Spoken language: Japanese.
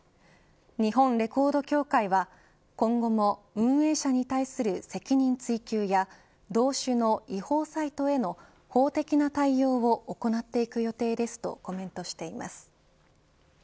日本レコード協会は今後も運営者に対する責任追及や同種の違法サイトへの法的な対応を行っていく予定ですとコメントしています。